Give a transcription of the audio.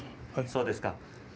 そうですか。